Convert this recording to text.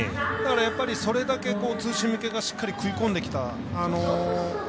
やっぱりそれだけツーシーム系がしっかり食い込んできた。